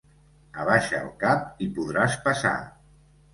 Abaixa el cap, i podràs passar.